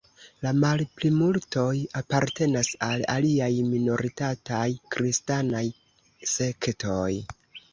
La malplimultoj apartenas al aliaj minoritataj kristanaj sektoj.